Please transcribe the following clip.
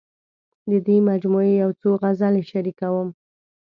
د دې مجموعې یو څو غزلې شریکوم.